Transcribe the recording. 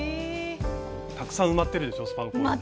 たくさん埋まってるでしょスパンコールが。